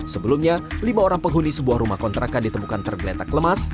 sebelumnya lima orang penghuni sebuah rumah kontrakan ditemukan tergeletak lemas